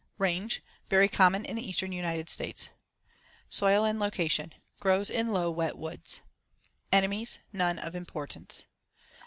Range: Very common in the eastern United States. Soil and location: Grows in low wet woods. Enemies: None of importance.